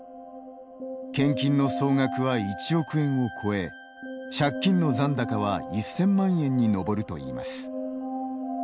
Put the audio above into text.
献金の総額は１億円を超え借金の残高は１０００万円に上るといいます。